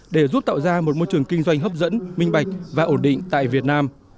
để giúp tạo ra một môi trường kinh doanh hấp dẫn minh bạch và ổn định tại việt nam